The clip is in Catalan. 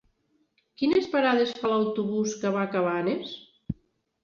Quines parades fa l'autobús que va a Cabanes?